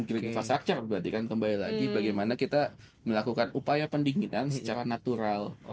great infrastruktur berarti kan kembali lagi bagaimana kita melakukan upaya pendinginan secara natural